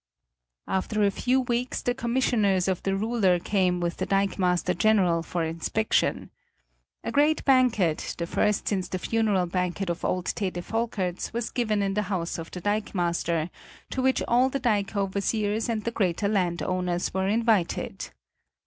After a few weeks the commissioners of the ruler came with the dikemaster general for inspection. A great banquet, the first since the funeral banquet of old Tede Volkerts, was given in the house of the dikemaster, to which all the dike overseers and the greater landowners were invited.